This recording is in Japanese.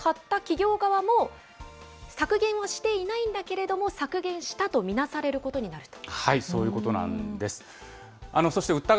買った企業側も削減をしていないんだけれども、削減したと見なされることになると。